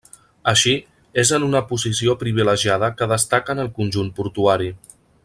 Així, és en una posició privilegiada que destaca en el conjunt portuari.